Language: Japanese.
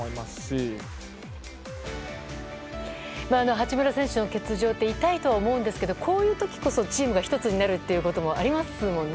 八村選手の欠場って痛いとは思うんですがこういう時こそチームが１つになることもありますものね。